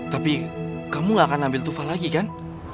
tapi kamu gak akan ambil tufah lagi kan